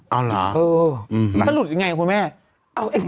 ถ้าหลุดอย่างเงี้ยคุณแม่ไม่รู้เหมือนกัน